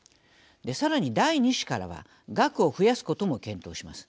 さらに、第２子からは額を増やすことも検討します。